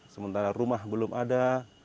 sementara rumah belum ada